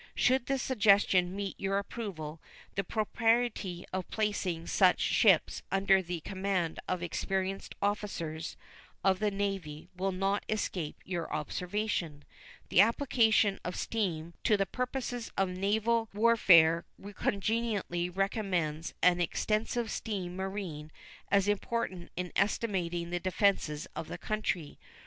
Should this suggestion meet your approval, the propriety of placing such ships under the command of experienced officers of the Navy will not escape your observation. The application of steam to the purposes of naval warfare cogently recommends an extensive steam marine as important in estimating the defenses of the country.